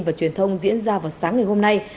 và truyền thông diễn ra vào sáng ngày hôm nay